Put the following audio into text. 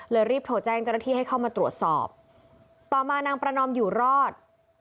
รีบโทรแจ้งเจ้าหน้าที่ให้เข้ามาตรวจสอบต่อมานางประนอมอยู่รอด